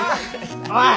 おい！